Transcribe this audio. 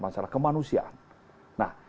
masalah kemanusiaan nah